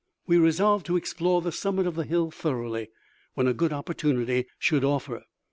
We resolved to explore the summit of the hill thoroughly, when a good opportunity should offer.